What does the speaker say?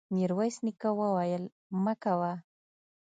ميرويس نيکه وويل: مه کوه!